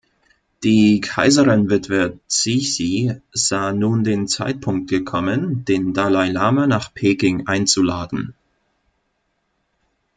Die Kaiserinwitwe Cixi sah nun den Zeitpunkt gekommen, den Dalai Lama nach Peking einzuladen.